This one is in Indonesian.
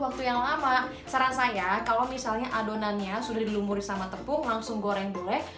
waktu yang lama saran saya kalau misalnya adonannya sudah dilumuri sama tepung langsung goreng boleh